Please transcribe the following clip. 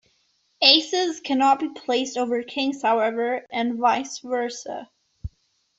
Aces cannot be placed over kings, however, and vice versa.